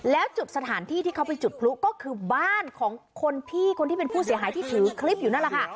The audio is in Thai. แล้วจุดสถานที่ที่เขาไปจุดพลุก็คือบ้านของคนพี่คนที่เป็นผู้เสียหายที่ถือคลิปอยู่นั่นแหละค่ะ